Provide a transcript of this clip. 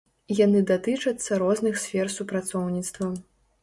Яны датычацца розных сфер супрацоўніцтва.